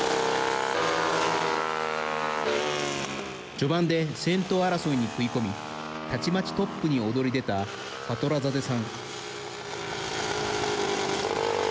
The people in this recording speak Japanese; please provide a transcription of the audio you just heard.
序盤で先頭争いに食い込みたちまちトップに躍り出たファトラザデさん。